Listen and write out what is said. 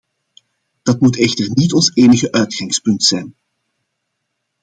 Dat moet echter niet ons enige uitgangspunt zijn.